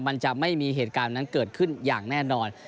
มันจะไม่มีเหตุการณ์นั้นเกิดขึ้นอย่างแน่นอน